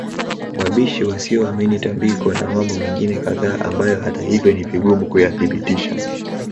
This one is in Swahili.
wabishi wasioamini tambiko na mambo mengine kadhaa ambayo hata hivyo ni vigumu kuyathibitisha